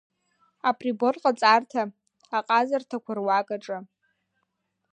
Априборҟаҵарҭа аҟазарҭақәа руак аҿы.